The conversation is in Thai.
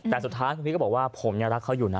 แต่สุดท้ายคุณพีชก็บอกว่าผมยังรักเขาอยู่นะ